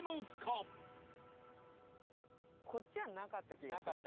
こっちはなかった気がする。